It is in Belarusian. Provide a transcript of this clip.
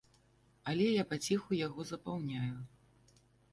Але я паціху яго запаўняю.